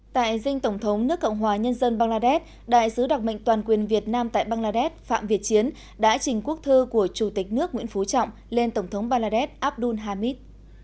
tại dinh tổng thống nước cộng hòa nhân dân bangladesh đại sứ đặc mệnh toàn quyền việt nam tại bangladesh phạm việt chiến đã trình quốc thư của chủ tịch nước nguyễn phú trọng lên tổng thống bangladesh abdul hamid